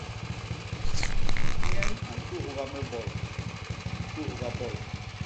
Nyen a ntugha me bol; di ntugha bol.